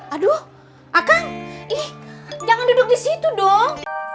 aduh akang ih jangan duduk disitu dong